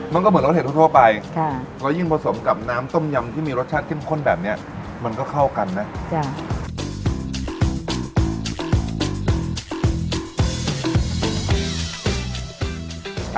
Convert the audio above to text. มันก็เหมือนรสเห็ดทั่วไปแล้วยิ่งผสมกับน้ำต้มยำที่มีรสชาติเข้มข้นแบบนี้มันก็เข้ากันนะ